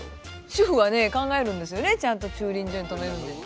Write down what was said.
主婦はね考えるんですよねちゃんと駐輪所に止めるんでね。